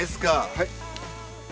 はい。